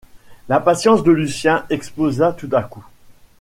L’impatience de Lucien explosa tout à coup.